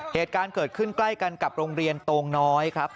เหตุการณ์เกิดขึ้นใกล้กันกับโรงเรียนโตงน้อยครับ